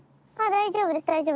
大丈夫？